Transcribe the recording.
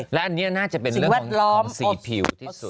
แล้วอันนี้น่าจะเป็นเรื่องของสีผิวที่สุด